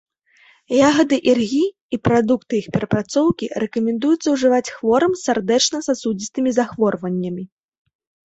Ягады іргі і прадукты іх перапрацоўкі рэкамендуецца ўжываць хворым з сардэчна-сасудзістымі захворваннямі.